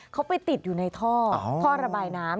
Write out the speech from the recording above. เขาไปติดอยู่ในท่อท่อระบายน้ำ